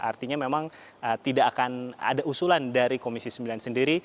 artinya memang tidak akan ada usulan dari komisi sembilan sendiri